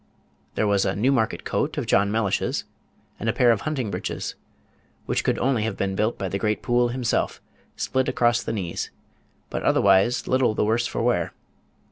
There was a Newmarket coat of John Mellish's, and a pair of hunting breeches, which could only have been built by the great Poole himself, split across the knees, but otherwise little the worse for wear.